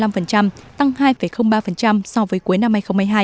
là bốn năm mươi năm tăng hai ba so với cuối năm hai nghìn hai mươi hai